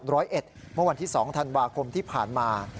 เมื่อวันที่๒ธันวาคมที่ผ่านมา